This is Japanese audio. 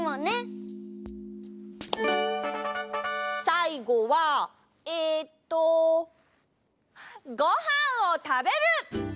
さいごはえっと「ごはんをたべる」だね！